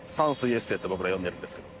って僕ら呼んでるんですけど。